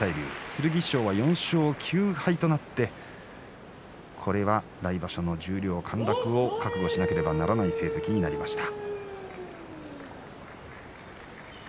剣翔は４勝９敗となって来場所の十両陥落を覚悟しなければならない成績となりました。